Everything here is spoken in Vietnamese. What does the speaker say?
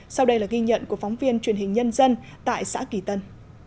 sau đây là ghi nhận của phóng viên truyền hình nhân dân tại xã kỳ tân